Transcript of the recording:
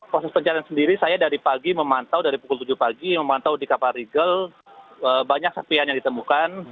proses pencarian sendiri saya dari pagi memantau dari pukul tujuh pagi memantau di kapal rigel banyak serpihan yang ditemukan